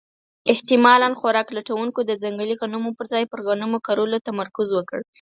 احتمالاً خوراک لټونکو د ځنګلي غنمو پر ځای پر غنمو کرلو تمرکز وکړ.